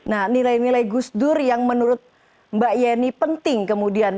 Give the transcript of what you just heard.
nah nilai nilai gus dur yang menurut mbak yeni penting kemudian